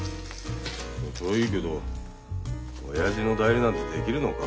そりゃいいけどおやじの代理なんてできるのか？